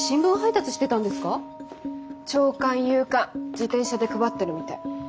朝刊夕刊自転車で配ってるみたい。